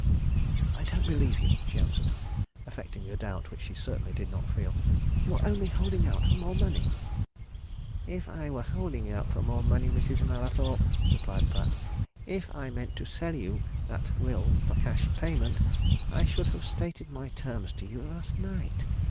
"I don't believe you," she answered, affecting a doubt which she certainly did not feel. "You're only holding out for more money." "If I were holding out for more money, Mrs. Mallathorpe," replied Pratt, "if I meant to sell you that will for cash payment, I should have stated my terms to you last night.